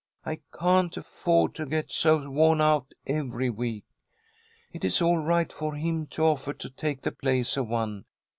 I can't afford to get so worn out every week. It is all right for him to offer to take the place of one.